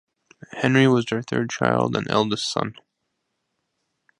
Henry was their third child and eldest son.